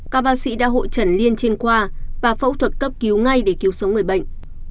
các bác sĩ đã hội trần liên trên khoa và phẫu thuật cấp cứu ngay để cứu sống người bệnh